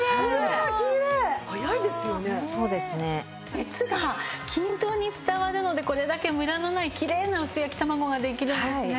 熱が均等に伝わるのでこれだけムラのないきれいな薄焼き卵ができるんですね。